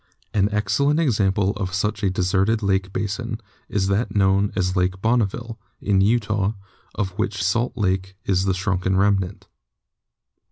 An excellent example of such a deserted lake basin is that known as Lake Bonneville, in Utah, of which Salt Lake is the shrunken remnant.